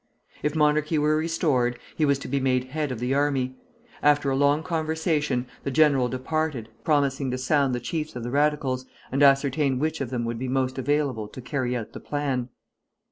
If monarchy were restored, he was to be made head of the army. After a long conversation the general departed, promising to sound the chiefs of the Radicals, and ascertain which of them would be most available to carry out the plan.